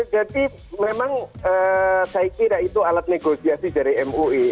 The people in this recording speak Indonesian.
jadi memang saya kira itu alat negosiasi dari mui